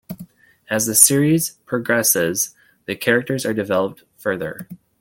As the series progresses, the characters are developed further.